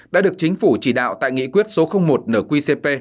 đã được chính phủ chỉ đạo tại nghị quyết số một nqcp